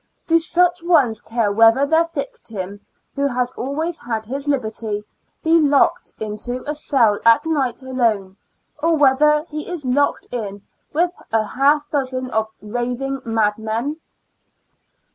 Do such ones care whether their victim, who has always had his liberty, be locked into a cell at night alone, or whether he is locked in with a half dozen of raving mad men?